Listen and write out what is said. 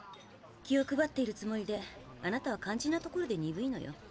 気を配っているつもりであなたは肝心なところでにぶいのよ。